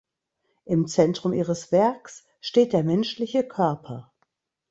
Im Zentrum ihres Werks steht der menschliche Körper.